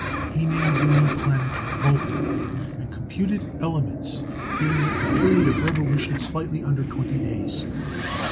He named the new planet "Vulcan," and computed elements giving it a period of revolution slightly under twenty days.